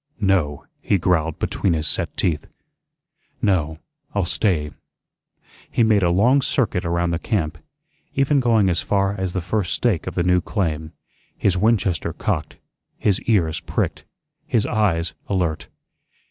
"No," he growled between his set teeth. "No, I'll stay." He made a long circuit around the camp, even going as far as the first stake of the new claim, his Winchester cocked, his ears pricked, his eyes alert.